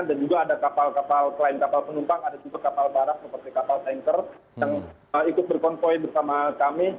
dan juga ada kapal kapal lain kapal penumpang ada juga kapal barat seperti kapal tanker yang ikut berconvoy bersama kami